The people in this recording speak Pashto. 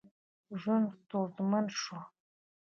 ژوند ستونزمن شو.